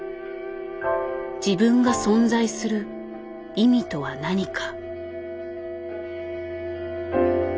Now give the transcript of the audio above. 自分が存在する意味とは何か。